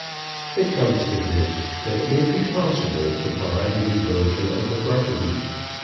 It comes to this, that it may be possible to buy the reversion of the property.